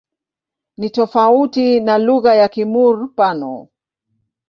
Ni tofauti na lugha ya Kimur-Pano.